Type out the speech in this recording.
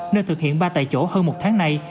nơi thực hiện ba tại chỗ hơn một tháng nay